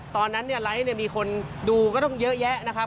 ตอนนั้นเนี่ยไลค์เนี่ยมีคนดูก็ต้องเยอะแยะนะครับ